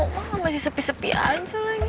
wah masih sepi sepi aja lagi